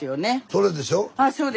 それでしょう？